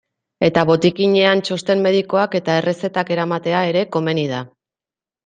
Eta botikinean txosten medikoak eta errezetak eramatea ere komeni da.